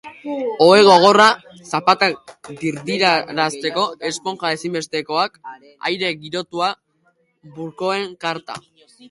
Ohe gogorra, zapatak dirdirarazteko esponja ezinbestekoak, aire girotua, burkoen karta.